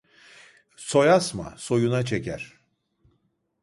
Soy asma, soyuna çeker.